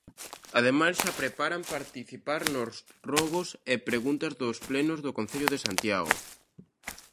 Ademais, xa preparan participar nos rogos e preguntas dos plenos do Concello de Santiago.